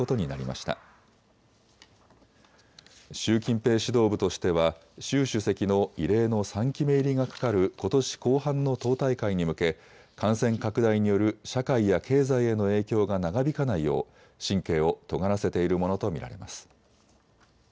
習近平指導部としては習主席の異例の３期目入りがかかることし後半の党大会に向け、感染拡大による社会や経済への影響が長引かないよう神経をとがらせているものと見られます。